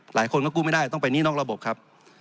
หลายคนก็กู้ไม่ได้ต้องไปหนี้นอกระบบครับ